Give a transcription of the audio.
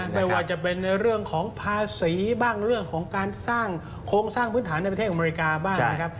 ไม่ว่าจะเป็นในเรื่องของภาษีบ้างเรื่องของการสร้างโครงสร้างพื้นฐานในประเทศอเมริกาบ้างนะครับ